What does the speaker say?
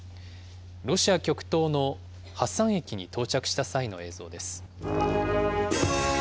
ロシア極東のハサン駅に到着した際の映像です。